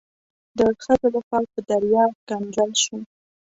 د ښځو لخوا په دریا ښکنځل شوم.